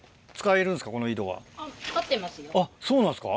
あっそうなんですか？